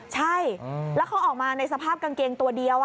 ใช่แล้วเขาออกมาในสภาพกางเกงตัวเดียว